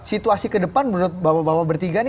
situasi kedepan menurut bapak bapak bertiga ini